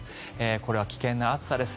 これは危険な暑さです。